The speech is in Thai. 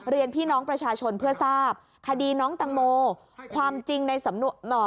เรียนพี่น้องประชาชนเพื่อทราบคดีน้องตังโม